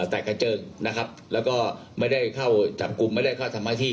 แตกกระเจิงนะครับแล้วก็ไม่ได้เข้าจับกลุ่มไม่ได้เข้าทำหน้าที่